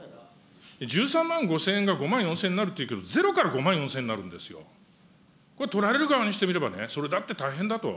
１３万５０００円が５万４０００円になるっていうけど、０から５万４０００円になるんですよ、これ、取られる側にしてみればね、それだって大変だと。